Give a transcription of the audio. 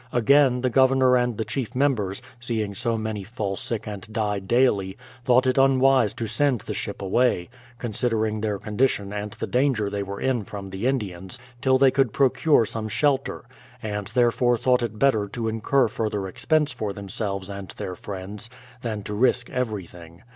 Again the Governor and the chief members, seeing so many fall sick and die daily, thought it unwise to send the ship away, considering their condition and the dan ger they were in from the Indians, till they could procure some shelter; and therefore thought it better to incur fur ther expense for themselves and their friends, than to risk everything.